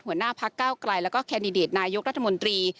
หัวหน้าพักเก้าไกลแล้วก็แคนดิเดตนายกรัฐมนตรี